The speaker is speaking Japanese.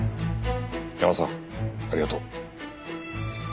ヤマさんありがとう。